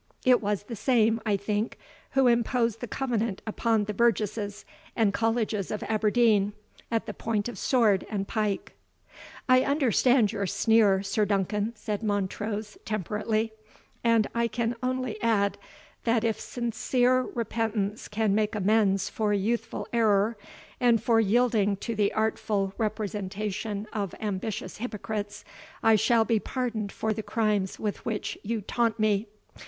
It was the same, I think, who imposed the Covenant upon the burgesses and colleges of Aberdeen, at the point of sword and pike." "I understand your sneer, Sir Duncan," said Montrose, temperately; "and I can only add, that if sincere repentance can make amends for youthful error, and for yielding to the artful representation of ambitious hypocrites, I shall be pardoned for the crimes with which you taunt me.